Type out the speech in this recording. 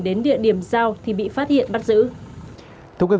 đến địa điểm giao thì bị phát hiện bắt giữ